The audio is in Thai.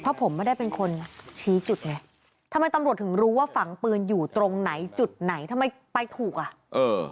เพราะผมไม่ได้เป็นคนชี้จุดไงทำไมตำรวจถึงรู้ว่าฝังปืนอยู่ตรงไหนจุดไหนทำไมไปถูกอ่ะเออ